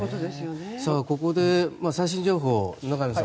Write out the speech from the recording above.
ここで最新情報、野上さん